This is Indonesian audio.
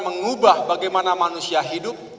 mengubah bagaimana manusia hidup